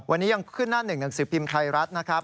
วันนี้ยังขึ้นหน้าหนึ่งหนังสือพิมพ์ไทยรัฐนะครับ